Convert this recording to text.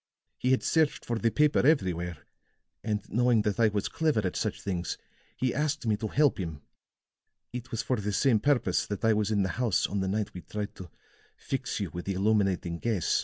He had searched for the paper everywhere; and knowing that I was clever at such things, he asked me to help him. It was for the same purpose that I was in the house on the night we tried to fix you with the illuminating gas.